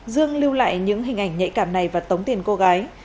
dương lưu lại những hình ảnh nhạy cảm này và tống tiền cô gái